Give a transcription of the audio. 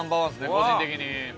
個人的に。